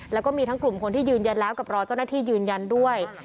แล้วก็มีทั้งกลุ่มคนที่ยืนยันแล้วกับรอเจ้าหน้าที่ยืนยันด้วย